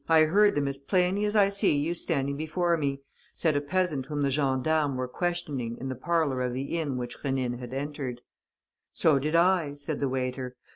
I heard them as plainly as I see you standing before me," said a peasant whom the gendarmes were questioning in the parlour of the inn which Rénine had entered. "So did I," said the waiter.